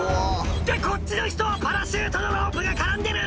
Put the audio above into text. ってこっちの人はパラシュートのロープが絡んでる！